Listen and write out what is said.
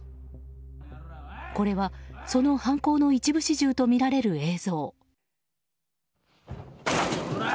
これは、その犯行の一部始終とみられる映像。